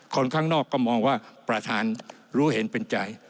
คนข้างนอกก็มองว่าประธานรู้เห็นเป็นใจ